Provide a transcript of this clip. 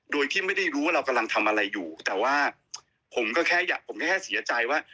โดยที่ไม่ได้รู้ว่าเรากำลังทำอะไรอยู่แต่ว่าผมก็แค่อยากผมแค่เสียใจว่า